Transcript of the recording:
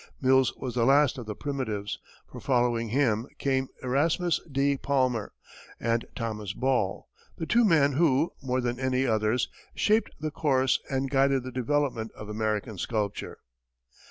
Mills was the last of the primitives, for following him came Erasmus D. Palmer and Thomas Ball, the two men who, more than any others, shaped the course and guided the development of American sculpture.